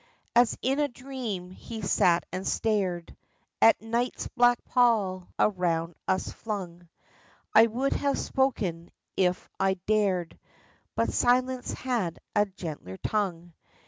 As in a dream he sat and stared At night's black pall around us flung ; I would have spoken if I'd dared, But Silence had a gentler tongue.